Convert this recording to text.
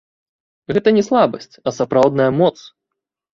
Гэта не слабасць, а сапраўдная моц!